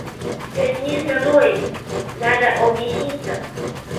Вернись домой, надо объясниться.